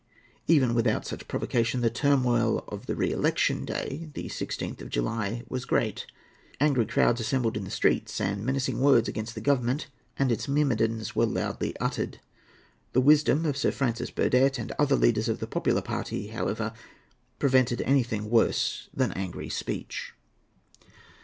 Even without such provocation the turmoil of the re election day, the 16th of July, was great; angry crowds assembled in the streets, and menacing words against the Government and its myrmidons were loudly uttered. The wisdom of Sir Francis Burdett and other leaders of the popular party, however, prevented anything worse than angry speech.